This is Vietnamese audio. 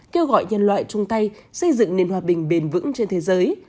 kêu gọi nhân loại trung tây xây dựng nền hòa bình bền vững trên thế giới